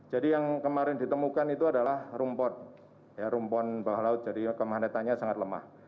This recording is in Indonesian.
jadi yang kemarin ditemukan itu adalah rumpot rumpon bawah laut jadi kemahannya tanya sangat lemah